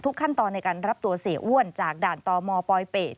ขั้นตอนในการรับตัวเสียอ้วนจากด่านตมปลอยเป็ด